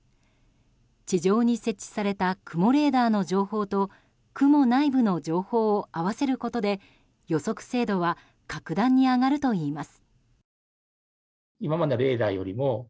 地上に設置された雲レーダーの情報と雲内部の情報を合わせることで予測精度は格段に上がるといいます。